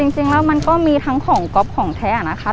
จริงแล้วมันก็มีทั้งของก๊อปของแท้นะคะ